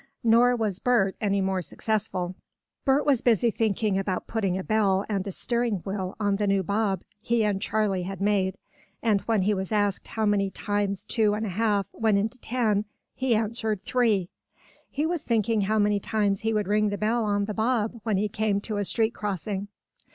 Nor was Bert any more successful. Bert was busy thinking about putting a bell and a steering wheel on the new bob he and Charley had made, and when he was asked how many times two and a half went into ten he answered: "Three." He was thinking how many times he would ring the bell on the bob when he came to a street crossing.